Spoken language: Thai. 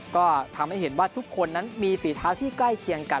ก็ทำให้เห็นว่าทุกคนนั้นมีฝีเท้าที่ใกล้เคียงกัน